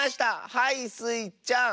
はいスイちゃん。